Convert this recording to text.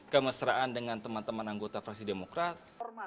kemesraan dengan teman teman anggota fraksi demokrat